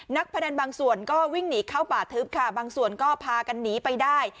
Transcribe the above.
พนันบางส่วนก็วิ่งหนีเข้าป่าทึบค่ะบางส่วนก็พากันหนีไปได้